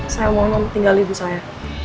saya mau meninggal ibu saya